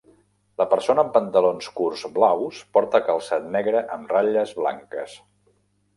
La persona amb pantalons curts blaus porta calçat negre amb ratlles blanques.